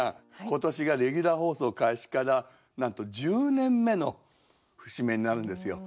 今年がレギュラー放送開始からなんと１０年目の節目になるんですよ。